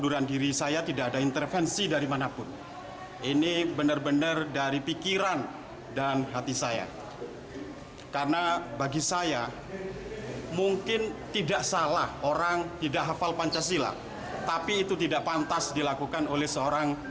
empat rakyat yang diberi melalui tanggal kebijaksanaan dan perwakilan